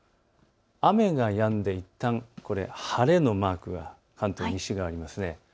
雨がやんで、いったん晴れのマークが関東、西側にあります。